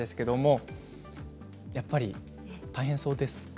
やっぱり大変そうですか？